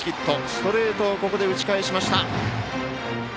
ストレートを打ち返しました。